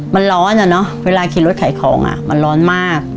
มันร้อนอะเนาะเวลาขี่รถขายของอ่ะมันร้อนมาก